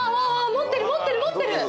持ってる持ってる持ってる。